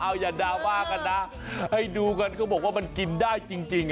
เอาอย่าดราม่ากันนะให้ดูกันก็บอกว่ามันกินได้จริง